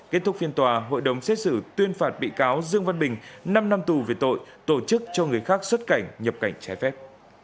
kết thúc phiên tòa hội đồng xét xử tuyên phạt bị cáo dương văn bình năm năm tù về tội tổ chức cho người khác xuất cảnh nhập cảnh trái phép